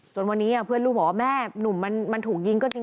จนวันนี้เพื่อนลูกบอกว่าแม่หนุ่มมันถูกยิงก็จริง